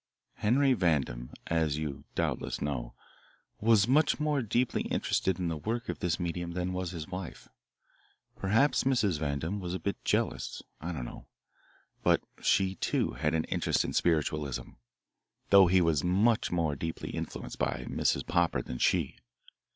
Henry Vandam, as you doubtless know, was much more deeply interested in the work of this medium than was his wife. Perhaps Mrs. Vandam was a bit jealous I don't know. But she, too, had an interest in spiritualism, though he was much more deeply influenced by Mrs. Popper than she.